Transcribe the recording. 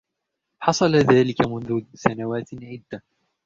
حصل ذلك منذ سنوات عدة.